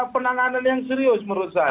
penanganan yang serius menurut saya